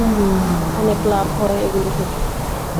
অনেক লাভ হয় ওগুলো থেকে।